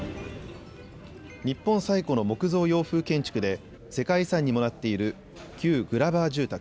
日本最古の木造洋風建築で世界遺産にもなっている旧グラバー住宅。